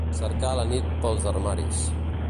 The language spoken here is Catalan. Cercar la nit pels armaris.